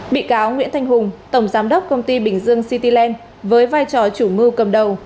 bị cáo nguyễn thanh hùng tổng giám đốc công ty bình dương cityland với vai trò chủ mưu cầm đầu